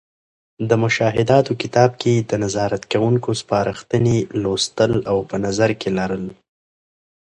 د مشاهداتو کتاب کې د نظارت کوونکو سپارښتنې لوستـل او په نظر کې لرل.